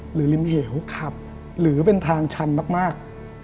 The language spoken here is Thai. หรือริมเหี่ยวหรือเป็นทางชันมาก